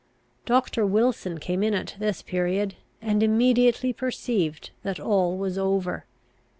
Doctor Wilson came in at this period, and immediately perceived that all was over.